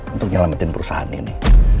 untuk nyelamatin perusahaan ini